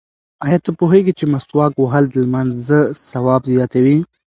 ایا ته پوهېږې چې مسواک وهل د لمانځه ثواب زیاتوي؟